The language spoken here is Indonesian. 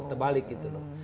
terbalik gitu loh